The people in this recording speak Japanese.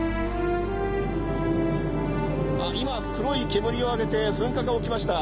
あっ今黒い煙を上げて噴火が起きました。